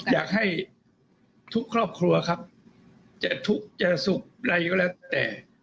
อยากให้ทุกครอบครัวครับจะทุกข์จะสุขอะไรก็แล้วแต่